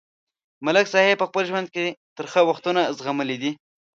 ملک صاحب په خپل ژوند کې ترخه وختونه زغملي دي.